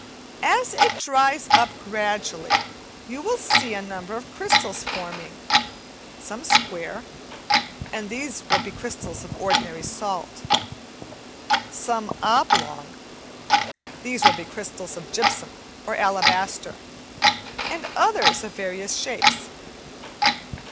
As it dries up gradually, you will see a number of crystals forming, some square and these will be crystals of ordinary salt; some oblong these will be crystals of gypsum or alabaster; and others of various shapes.